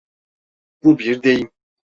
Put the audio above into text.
Bu bir deyim.